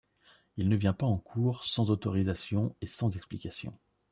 Il ne vient pas en cours, sans autorisation et sans explication.